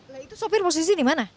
nah itu sopir posisi di mana